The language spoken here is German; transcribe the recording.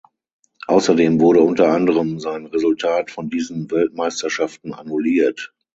Außerdem wurde unter anderem sein Resultat von diesen Weltmeisterschaften annulliert.